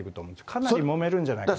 かなり、もめるんじゃないかなと。